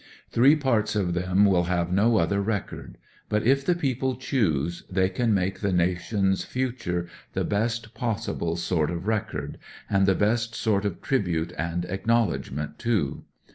Three parts of them will have no other record ; but, if the people choose, they can make the nation's future the best possible sort of record, and the best sort of tribute and acknowledgment, too.